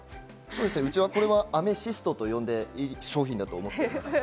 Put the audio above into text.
うちはこれはアメシストと呼んでいい商品だと思っています。